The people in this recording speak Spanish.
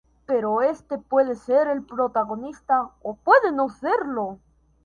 Pero este puede ser el protagonista o puede no serlo.